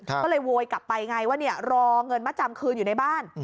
ก็เลยโวยกลับไปไงว่ารอเงินมาจำคืนอยู่ในบ้าน